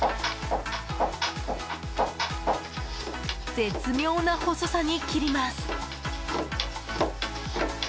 絶妙な細さに切ります。